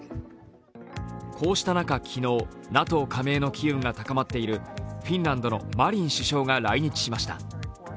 こうした中、昨日、ＮＡＴＯ加盟の機運が高まっているフィンランドのマリン首相が来日しました。